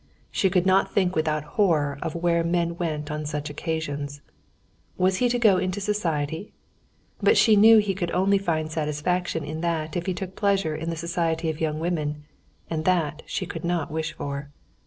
She could not think without horror of where men went on such occasions. Was he to go into society? But she knew he could only find satisfaction in that if he took pleasure in the society of young women, and that she could not wish for.